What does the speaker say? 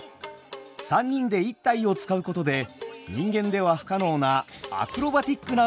３人で１体を遣うことで人間では不可能なアクロバティックな動きも可能です。